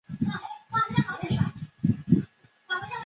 最上头的横杠代表耶稣钉十字架时加在其上的罪状牌。